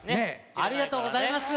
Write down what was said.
ありがとうございます。